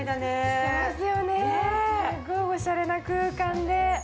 すっごいおしゃれな空間で。